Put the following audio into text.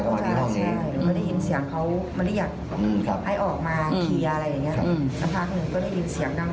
ก็ได้ยินเสียงเขียงกันทะเลาะกันแต่หนูก่อน